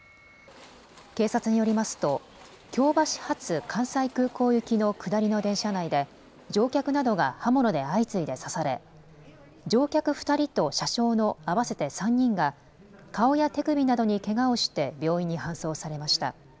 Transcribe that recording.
警察によりますと京橋発関西空港行きの下りの電車内で乗客などが刃物で相次いで刺され乗客２人と車掌の合わせて３人が顔や手首などにけがをして病院に搬送されました。